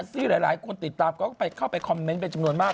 ซึ่งหลายหลายคนติดตามเขาก็ไปเข้าไปคอมเม้นต์เป็นจำนวนมาก